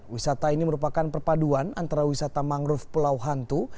wisata ini merupakan perpaduan antara wisata mangrove pulau hantu